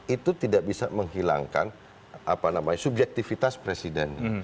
itu tidak bisa menghilangkan subjektivitas presidennya